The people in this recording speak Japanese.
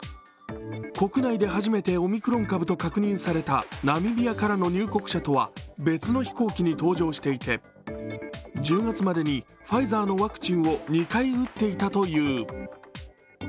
国内で初めてオミクロン株と確認されたナミビアからの入国者とは別の飛行機に搭乗していて１０月までにファイザーのワクチンを２回打っていたという。